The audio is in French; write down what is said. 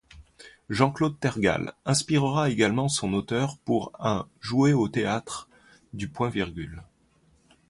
Jean-Claude Tergal inspirera également son auteur pour un ' joué au théâtre du Point-Virgule.